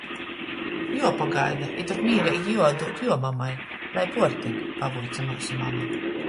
Juopagaida i tod mīreigi juoatdūd juo mamai, lai puortyn, pavuica myusu mama.